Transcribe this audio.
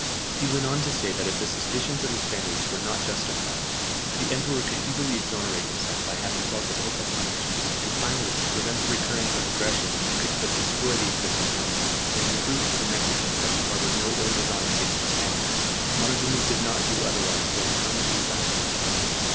He went on to say that if the suspicions of the Spaniards were not justified, the emperor could easily exonerate himself by having Qualpopoca punished, and finally, to prevent the recurrence of aggressions which could but destroy the existing harmony, and to prove to the Mexicans that he harboured no ill design against the Spaniards, Montezuma could not do otherwise than come to reside amongst them.